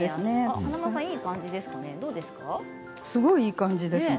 華丸さん、いい感じですね。